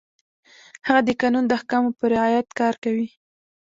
هغه د قانون د احکامو په رعایت کار کوي.